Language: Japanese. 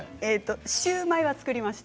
シューマイは作りました。